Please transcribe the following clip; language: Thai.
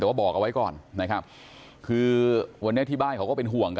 แต่ว่าบอกเอาไว้ก่อนนะครับคือวันนี้ที่บ้านเขาก็เป็นห่วงกัน